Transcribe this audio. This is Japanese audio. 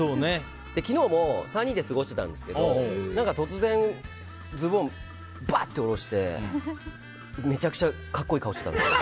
昨日も３人で過ごしてたんですけど突然、ズボンをばっておろしてめちゃくちゃ格好いい顔してたんです。